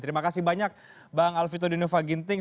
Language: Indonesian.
terima kasih banyak bang alvito dinova ginting